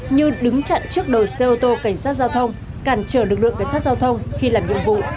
như đứng chặn trước đầu xe ô tô cảnh sát giao thông cản trở lực lượng cảnh sát giao thông khi làm nhiệm vụ